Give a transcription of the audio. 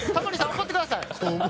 怒ってください。